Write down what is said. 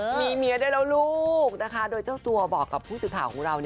มีเมียได้แล้วลูกนะคะโดยเจ้าตัวบอกกับผู้สื่อข่าวของเรา